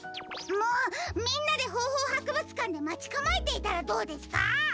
もうみんなでホーホーはくぶつかんでまちかまえていたらどうですか？